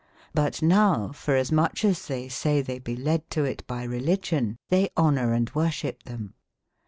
But now f orasmucb as tbey say tbey be led to it by religion, tbey bonor and wor ship tbem.